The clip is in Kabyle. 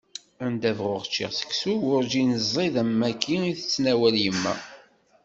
Anda bɣuɣ ččiɣ seksu werǧin ẓid am wagi i d-tettnawal yemma.